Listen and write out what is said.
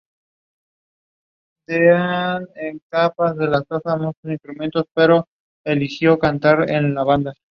Los turistas deben quedarse en las aduanas costarricense y panameña.